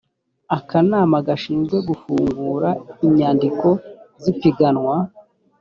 akanama gashinzwe gufungura inyandiko z ipiganwa